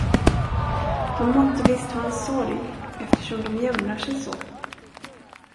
De måtte visst ha en sorg, eftersom de jämrar sig så.